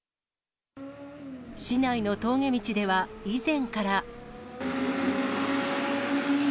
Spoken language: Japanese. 市内の峠道では以前から。